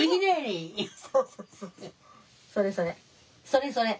それそれ。